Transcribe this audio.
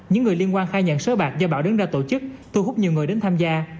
những người liên quan khai nhận sới bạc do bảo đứng ra tổ chức thu hút nhiều người đến tham gia